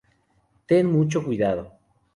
Ten mucho cuidado.